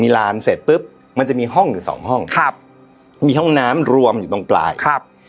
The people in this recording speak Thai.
ลานเสร็จปุ๊บมันจะมีห้องอยู่สองห้องครับมีห้องน้ำรวมอยู่ตรงปลายครับ